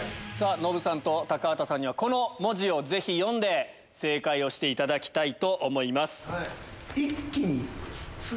ノブさんと高畑さんにはこの文字をぜひ読んで正解していただきたいと思います。